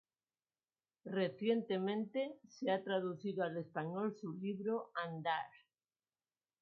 Recientemente, se ha traducido al español su libro "Andar.